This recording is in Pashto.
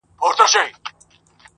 زما د ميني جنډه پورته ښه ده_